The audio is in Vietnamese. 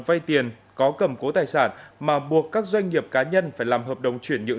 vay tiền có cầm cố tài sản mà buộc các doanh nghiệp cá nhân phải làm hợp đồng chuyển nhượng